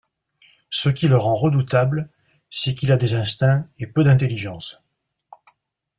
Ce qui le rend redoutable, c'est qu'il a des instincts et peu d'intelligence.